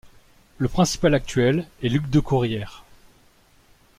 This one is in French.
Le Principal actuel est Luc Decourrière.